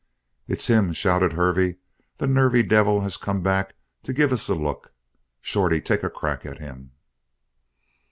"It's him!" shouted Hervey. "The nervy devil has come back to give us a look. Shorty, take a crack at him!"